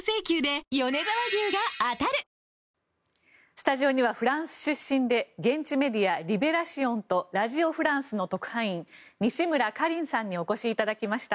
スタジオにはフランス出身で現地メディア、リベラシオンとラジオ・フランスの特派員西村カリンさんにお越しいただきました。